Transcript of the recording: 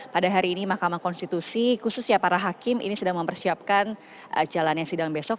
pada hari ini mahkamah konstitusi khusus ya para hakim ini sedang mempersiapkan jalan yang sidang besok